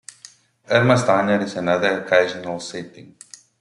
Irma's Diner is another occasional setting.